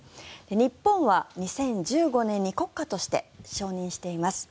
日本は２０１５年に国家として承認しています。